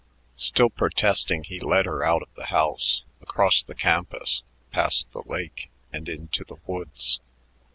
Still protesting, he led her out of the house, across the campus, past the lake, and into the woods.